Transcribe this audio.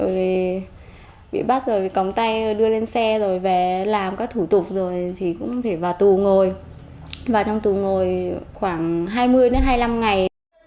vì bị bắt rồi cóng tay đưa lên xe rồi về làm các thủ tục rồi thì cũng phải vào tù ngồi và trong tù ngồi khoảng hai mươi đến hai mươi năm ngày